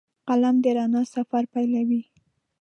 قلم د رڼا سفر پیلوي